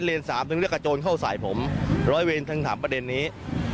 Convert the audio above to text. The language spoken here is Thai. เลสสามนึงให้กระโจนเข้าส่ายผมรอยเวนทำปันเด็นนี้